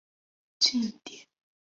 近点年也比回归年长。